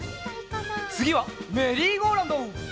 つぎはメリーゴーラウンド！